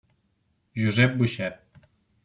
Josep Boixet.